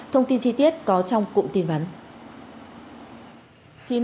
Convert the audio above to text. thông tin chi tiết có trong cụm tin vấn